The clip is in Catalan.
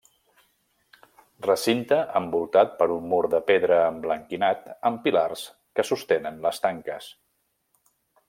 Recinte envoltat per un mur de pedra emblanquinat amb pilars que sostenen les tanques.